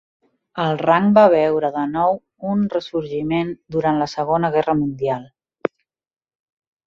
El rang va veure de nou un ressorgiment durant la segona guerra mundial.